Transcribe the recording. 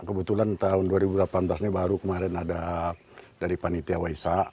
kebetulan tahun dua ribu delapan belas ini baru kemarin ada dari panitia waisak